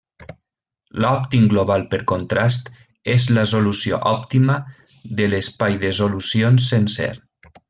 L'òptim global per contrast, és la solució òptima de l'espai de solucions sencer.